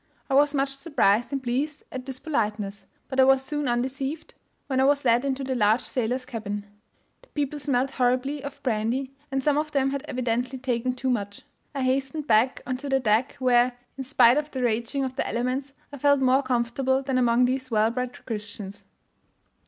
I was much surprised and pleased at this politeness, but I was soon undeceived when I was led into the large sailors' cabin. The people smelt horribly of brandy, and some of them had evidently taken too much. I hastened back on to the deck, where, in spite of the raging of the elements, I felt more comfortable than among these well bred Christians.